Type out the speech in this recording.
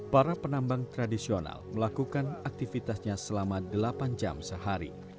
para penambang tradisional melakukan aktivitasnya selama delapan jam sehari